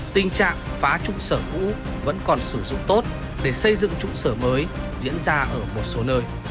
tình trạng phá trụ sở cũ vẫn còn sử dụng tốt để xây dựng trụ sở mới diễn ra ở một số nơi